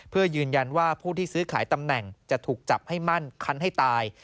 เพื่อยืนยันว่าผู้ที่ซื้อขายตำแหน่งจะถูกจับให้มั่นคันให้ตาย